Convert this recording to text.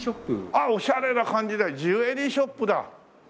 あっオシャレな感じでジュエリーショップだ。